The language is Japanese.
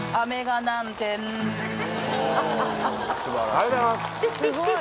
ありがとうございます！